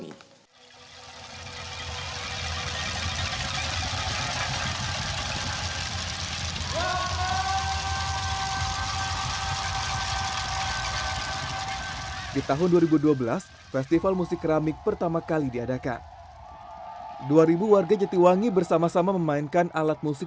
itulah sebabnya lewat musik